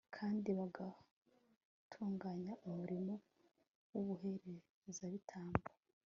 kandi bagatunganya umurimo w'ubuherezabitambo